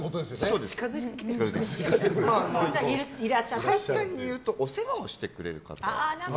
そうです、簡単に言うとお世話をしてくれる方。